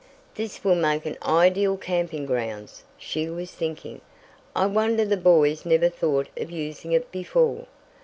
"This will make an ideal camping grounds," she was thinking. "I wonder the boys never thought of using it before."